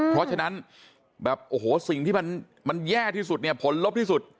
เพราะฉะนั้นแบบโอ้โหสิ่งที่มันแย่ที่สุดเนี่ยผลลบที่สุด